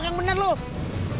gue nitip tempat elu ya